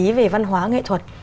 nói về văn hóa nghệ thuật